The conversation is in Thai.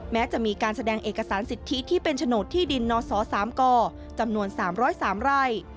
แม้จะมีการแสดงเอกสารสิทธิที่เป็นโฉนดที่ดินนศ๓กจำนวน๓๐๓ไร่